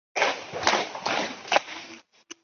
上层每面均塑有千佛或菩萨。